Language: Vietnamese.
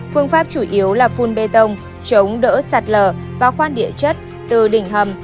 phương pháp chủ yếu là phun bê tông chống đỡ sạt lở bao khoan địa chất từ đỉnh hầm